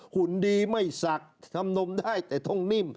หุ่นดีไม่ศักดิ์ทำนมได้แต่ต้องนิ่ม